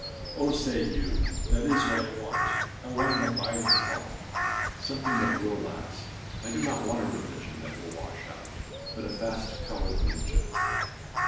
â âOh!â say you, âthat is what I want; I want an abiding call, something that will last; I do not want a religion that will wash out, but a fast colour religion.